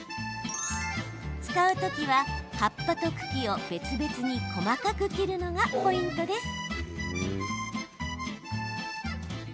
使うときは、葉っぱと茎を別々に細かく切るのがポイントです。